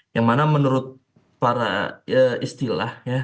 yang mana menurut para istilah